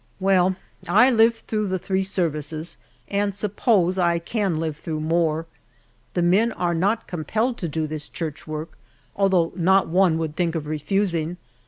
Well, I lived through the three services, and suppose I can live through more. The men are not compelled to do this church work, although not one would think of refusing.